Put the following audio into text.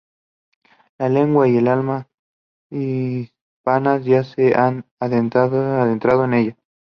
La lengua y el alma hispanas ya se han adentrado en ella.